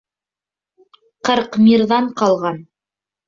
Ҡырҡ мирҙан ҡалған.